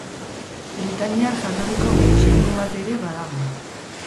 Britainiar jatorriko gutxiengo bat ere badago.